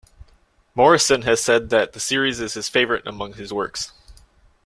Morrison has said that the series is his favorite among his works.